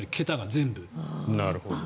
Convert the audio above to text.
全部。